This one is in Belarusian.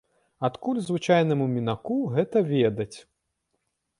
Адкуль звычайнаму мінаку гэта ведаць?